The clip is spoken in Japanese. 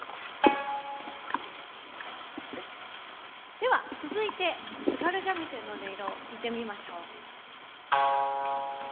では続いて津軽三味線の音色を聞いてみましょう。